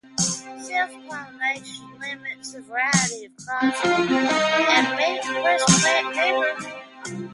Self-pollination limits the variety of progeny and may depress plant vigor.